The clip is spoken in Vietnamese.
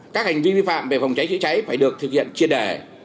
việc xử phạt vi phạm về phòng cháy chữa cháy phải được thực hiện chia đẻ